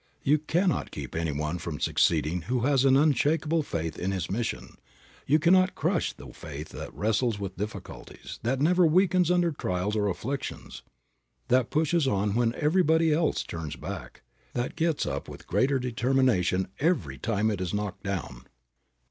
You cannot keep any one from succeeding who has an unshakable faith in his mission. You cannot crush the faith that wrestles with difficulties, that never weakens under trials or afflictions, that pushes on when everybody else turns back, that gets up with greater determination every time it is knocked down.